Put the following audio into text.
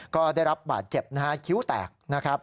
ก็ได้รับบาดเจ็บคิ้วแตก